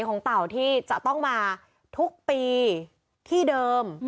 เต่าที่จะต้องมาทุกปีที่เดิม